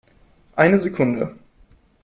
Eine Sekunde